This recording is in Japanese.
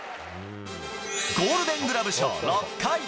ゴールデングラブ賞６回。